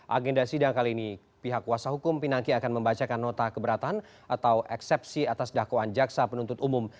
agenda sidang kali ini pihak kuasa hukum pinangki akan membacakan nota keberatan atau eksepsi atas dakwaan jaksa penuntut umum